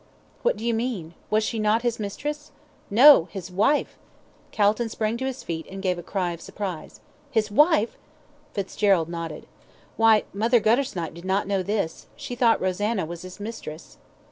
"What do you mean was she not his mistress?" "No his wife!" Calton sprang to his feet, and gave a cry of surprise. "His wife!" Fitzgerald nodded. "Why, Mother Guttersnipe did not know this she thought Rosanna was his mistress."